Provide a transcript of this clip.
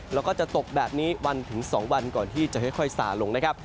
แล้วก็จะตกแบบนี้วันถึง๒วันก่อนที่จะค่อยสาลงนะครับ